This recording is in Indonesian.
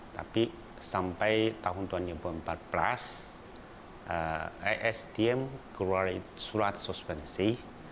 tapi sampai tahun dua ribu empat belas esdm keluar surat suspensi